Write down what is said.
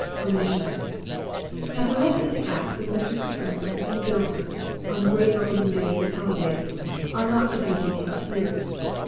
OMISSIONS Now the rest of the acts of Mr. Hoopdriver in Guildford, on the great opening day of his holidays, are not to be detailed here.